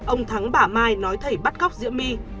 ông thắng bả mai nói thầy bắt góc diễm my